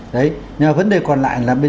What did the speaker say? nhưng mà vấn đề còn lại là